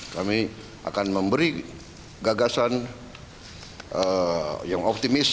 kami akan memberi gagasan yang optimis